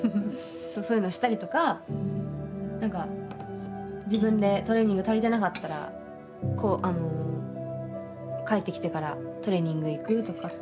そういうのをしたりとか何か自分でトレーニング足りてなかったら帰ってきてからトレーニング行くとか。